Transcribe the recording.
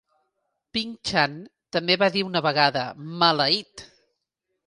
Pink-chan també va dir una vegada "maleït!"